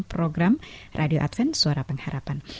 program radio absen suara pengharapan